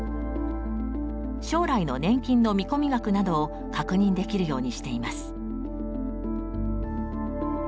将来の年金の見込み額などを確認できるようにしています。